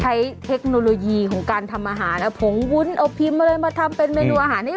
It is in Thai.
ใช้เทคโนโลยีของการทำอาหารนะผมวุ้นเอาพิมพ์มาเลยมาทำเป็นเมนูอาหารนี้